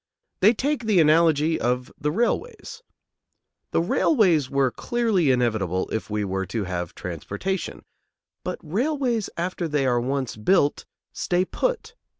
They take the analogy of the railways. The railways were clearly inevitable if we were to have transportation, but railways after they are once built stay put.